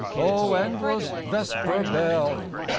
Oh endless vesper bell!